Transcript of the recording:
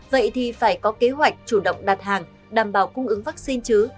vậy thì phải có kế hoạch chủ động đặt hàng đảm bảo cung ứng vaccine chứ